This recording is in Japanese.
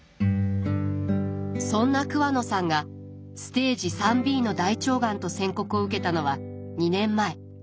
そんな桑野さんがステージ３ｂの大腸がんと宣告を受けたのは２年前。